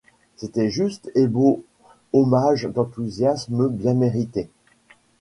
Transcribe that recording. C'était juste et beau, hommage d'enthousiasme bien mérité.